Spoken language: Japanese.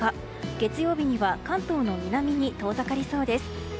月曜日には関東の南に遠ざかりそうです。